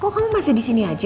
kok kamu masih disini aja